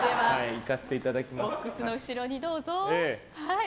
では、ボックスの後ろにどうぞ。